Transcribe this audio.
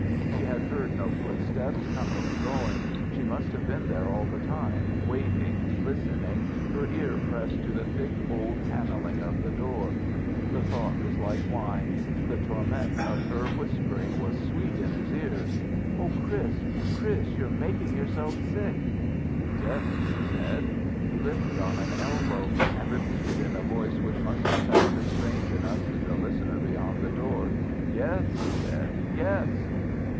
He had heard no footsteps, going or coming; she must have been there all the time, waiting, listening, her ear pressed to the thick, old paneling of the door. The thought was like wine; the torment of her whispering was sweet in his ears. "Oh, Chris, Chris! You're making yourself sick!" "Yes," he said. He lifted on an elbow and repeated in a voice which must have sounded strange enough to the listener beyond the door. "Yes!" he said. "Yes!"